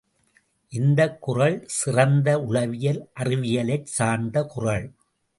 இந்தக் குறள் சிறந்த உளவியல் அறிவியலைச் சார்ந்த குறள்.